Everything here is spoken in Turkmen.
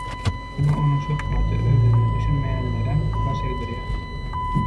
Diňe onuň şöhraty özüne düşünmeýänlerem baş egdirýär.